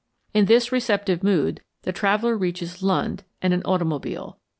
Holmes_] In this receptive mood the traveller reaches Lund and an automobile.